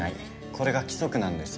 これが規則なんです。